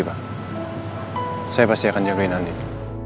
saya pasti akan jagain andin